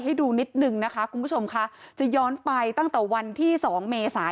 ให้ดูนิดนึงนะคะคุณผู้ชมค่ะจะย้อนไปตั้งแต่วันที่สองเมษา